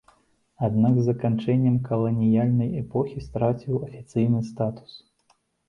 Аднак з заканчэннем каланіяльнай эпохі страціў афіцыйны статус.